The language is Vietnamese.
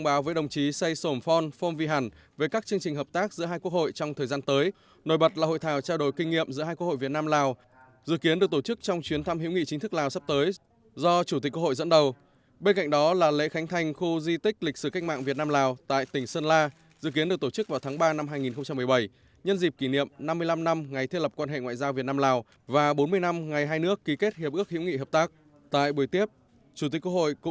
bày tỏ vui mừng được gặp lại đồng chí say sổm phon phong vi hẳn chủ tịch hội nguyễn thi kim ngân đánh giá cao các hoạt động hợp tác tích cực